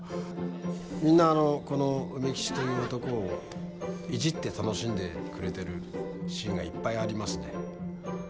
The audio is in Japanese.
みんなこの梅吉という男をいじって楽しんでくれてるシーンがいっぱいありますね。